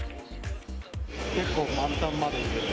結構満タンまで入れて。